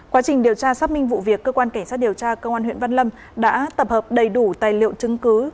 quá trình điều tra xác minh vụ việc cơ quan cảnh sát điều tra công an huyện văn lâm đã tập hợp đầy đủ tài liệu chứng cứ